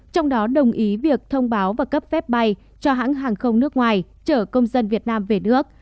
trong đó đồng ý việc thông báo và cấp phép bay cho hãng hàng không nước ngoài chở công dân việt nam về nước